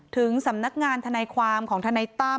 ถึงสำนักงานเทนต์ความของเทนต้ำ